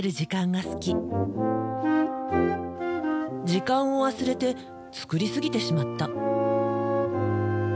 時間を忘れて作りすぎてしまった。